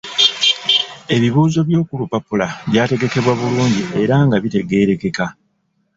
Ebibuuzo by’oku lupapula byategekebwa bulungi era nga bitegeerekeka.